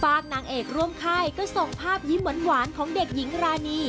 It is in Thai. นางเอกร่วมค่ายก็ส่งภาพยิ้มหวานของเด็กหญิงรานี